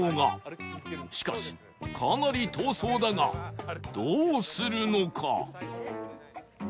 しかしかなり遠そうだがどうするのか？